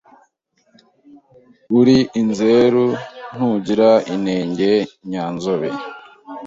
Uri inzeru ntugira inenge Nyanzobe